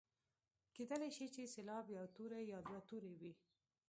کیدلای شي چې سېلاب یو توری یا دوه توري وي.